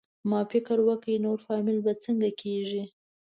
ما فکر وکړ نور فامیل به څنګه کېږي؟